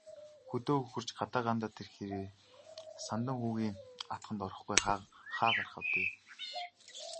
Хөдөө хөхөрч, гадаа гандаад ирэхээрээ Самдан хүүгийн атгад орохгүй хаа гарах вэ дээ.